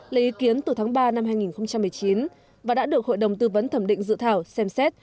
lấy ý kiến từ tháng ba năm hai nghìn một mươi chín và đã được hội đồng tư vấn thẩm định dự thảo xem xét